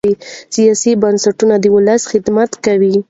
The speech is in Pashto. سیاسي بنسټونه د ولس خدمت کوي